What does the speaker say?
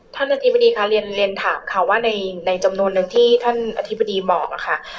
ท่านอธิบดีค่ะเรียนถามค่ะว่าในจำนวนนึงที่ท่านอธิบดีบอกค่ะ